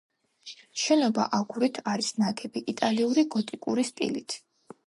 შენობა აგურით არის ნაგები, იტალიური გოტიკური სტილით.